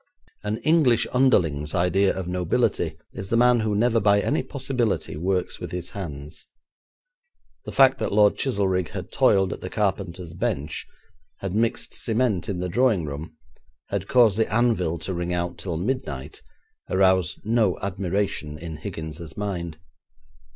An English underling's idea of nobility is the man who never by any possibility works with his hands. The fact that Lord Chizelrigg had toiled at the carpenter's bench; had mixed cement in the drawing room; had caused the anvil to ring out till midnight, aroused no admiration in Higgins's mind.